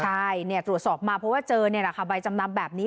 ใช่ตรวจสอบมาเพราะว่าเจอใบจำนำแบบนี้